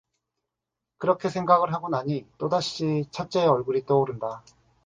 그렇게 생각을 하고 나니 또다시 첫째의 얼굴이 떠오른다.